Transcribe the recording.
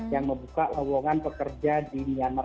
yang membuka lowongan pekerja di myanmar